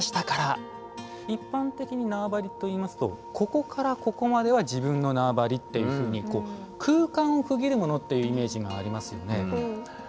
一般的に縄張りといいますとここからここまでは自分の縄張りっていうふうに空間を区切るものっていうイメージがありますよね。